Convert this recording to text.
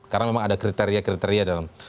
karena memang ada kriteria kriteria dalam